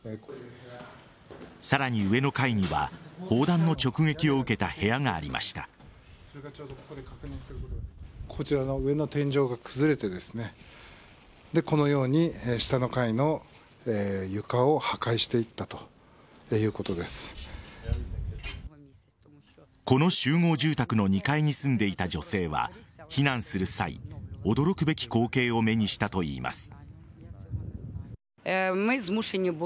さらに上の階には砲弾の直撃を受けたこちらの上の天井が崩れてこのように下の階の床を破壊していったとこの集合住宅の２階に住んでいた女性は避難する際、驚くべき光景を目にしたといいます。